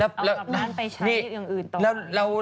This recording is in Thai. เอากลับบ้านไปใช้อย่างอื่น